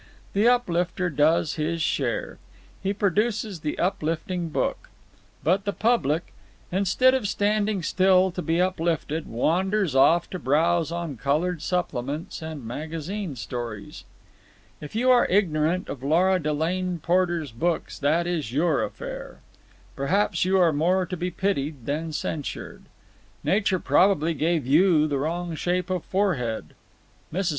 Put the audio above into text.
The uplifter does his share. He produces the uplifting book. But the public, instead of standing still to be uplifted, wanders off to browse on coloured supplements and magazine stories. If you are ignorant of Lora Delane Porter's books that is your affair. Perhaps you are more to be pitied than censured. Nature probably gave you the wrong shape of forehead. Mrs.